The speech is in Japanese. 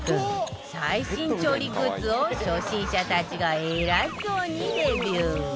最新調理グッズを初心者たちが偉そうにレビュー